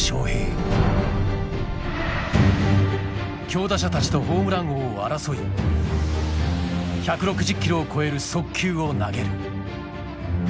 強打者たちとホームラン王を争い１６０キロを超える速球を投げる。